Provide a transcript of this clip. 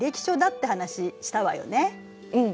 うん。